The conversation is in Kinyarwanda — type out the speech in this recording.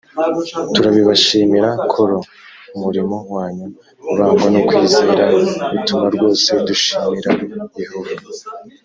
turabibashimira kolo umurimo wanyu urangwa no kwizera utuma rwose dushimira yehova